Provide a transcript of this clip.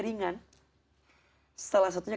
ringan salah satunya